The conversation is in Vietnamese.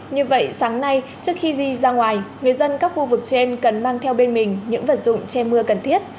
như vậy sáng nay trước khi di ra ngoài người dân các khu vực trên cần mang theo bên mình những vật dụng che mưa cần thiết